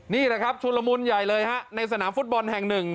นี่แหละครับชุนละมุนใหญ่เลยฮะในสนามฟุตบอลแห่งหนึ่ง